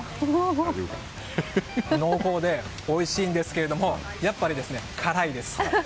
濃厚でおいしいんですけれどもやっぱり、辛いです。